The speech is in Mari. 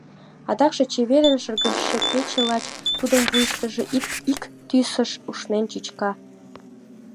Адакше чеверын шыргыжше кече лач тудын вуйыштыжо ик тӱсыш ушнен чӱчка.